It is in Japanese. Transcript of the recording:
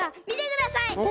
みてください！